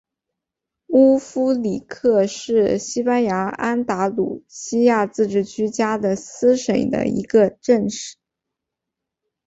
乌夫里克是西班牙安达卢西亚自治区加的斯省的一个市镇。